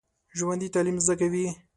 ژوندي تعلیم زده کوي